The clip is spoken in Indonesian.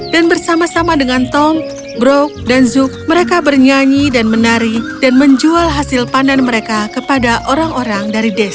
dan bersama sama dengan tom broke dan zook mereka bernyanyi dan menari dan menjual hasil pandan mereka kepada orang orang dari desa